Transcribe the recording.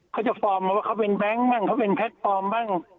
เค้าจะเข้าเป็นแบงค์มาเป็นแพลตฟอร์มบ้าง